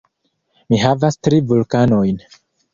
Mi havas tri vulkanojn.